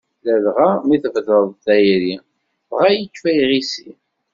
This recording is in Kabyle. Ladɣa mi d-tbedreḍ tayri, dɣa yekfa yiɣisi.